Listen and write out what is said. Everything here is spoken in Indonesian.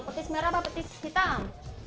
petis merah apa petis hitam